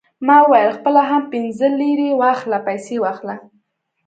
ما وویل: خپله هم پنځه لېرې واخله، پیسې واخله.